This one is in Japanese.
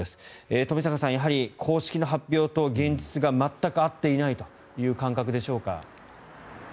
冨坂さんやはり公式の発表と現実が全く合っていないという感覚でしょうか。